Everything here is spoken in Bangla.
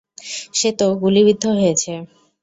সে তো গুলিবিদ্ধ হয়েছে!